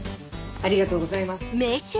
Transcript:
ありがとうございます。